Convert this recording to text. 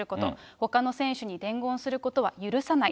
ほかの選手に伝言することは許さない。